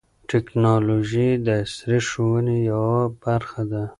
ټیکنالوژي د عصري ښوونې یوه برخه ده.